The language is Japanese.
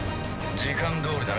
時間どおりだな。